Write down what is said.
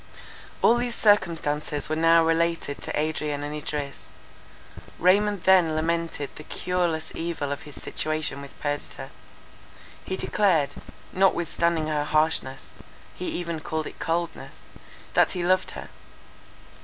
All these circumstances were now related to Adrian and Idris. Raymond then lamented the cureless evil of his situation with Perdita. He declared, notwithstanding her harshness, he even called it coldness, that he loved her.